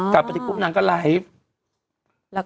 เดี๋ยวปุ๊บนางก็ไหล